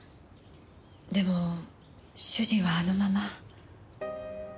でも主人はあのまま。